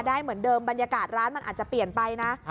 ได้เหมือนเดิมบรรยากาศร้านมันอาจจะเปลี่ยนไปนะ